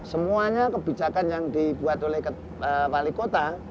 semuanya kebijakan yang dibuat oleh wali kota